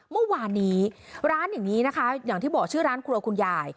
เมื่อวานนี้ร้านอย่างนี้นะคะอย่างที่บอกชื่อร้านครัวคุณยาย